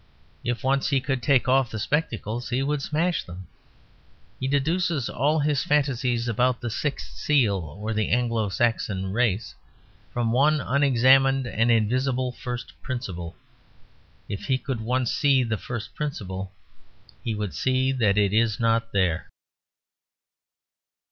If once he could take off the spectacles he would smash them. He deduces all his fantasies about the Sixth Seal or the Anglo Saxon Race from one unexamined and invisible first principle. If he could once see the first principle, he would see that it is not there.